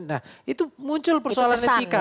nah itu muncul persoalan etika